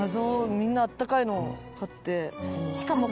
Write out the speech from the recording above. みんな温かいのを買って。